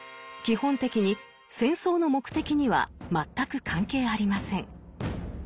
基本的に戦争の目的には全く関係ありません。